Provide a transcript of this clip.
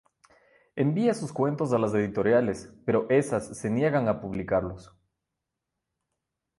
Envía sus cuentos a las editoriales, pero esas se niegan a publicarlos.